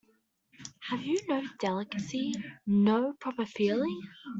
Have you no delicacy, no proper feeling?